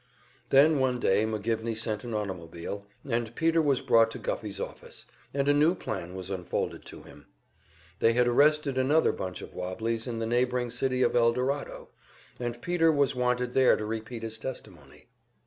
Then one day McGivney sent an automobile, and Peter was brought to Guffey's office, and a new plan was unfolded to him. They had arrested another bunch of "wobblies" in the neighboring city of Eldorado, and Peter was wanted there to repeat his testimony.